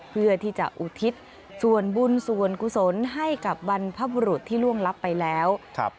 เพื่อที่จะอุทิศส่วนบุญส่วนกุศลให้กับบรรพบุรุษที่ล่วงลับไปแล้วครับ